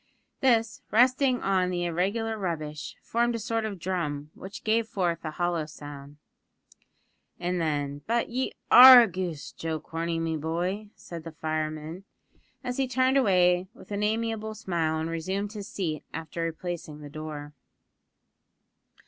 This, resting on the irregular rubbish, formed a sort of drum, which gave forth a hollow sound. "Ah, then, but ye are a goose, Joe Corney, me boy!" said the fireman, as he turned away with an amiable smile and resumed his seat after replacing the door.